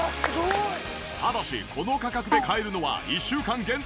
ただしこの価格で買えるのは１週間限定です。